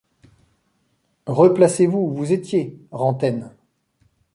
Replacez-vous où vous étiez, Rantaine.